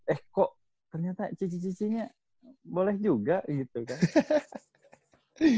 eh kok ternyata cici cicinya boleh juga gitu kan